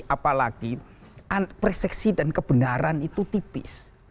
apalagi persepsi dan kebenaran itu tipis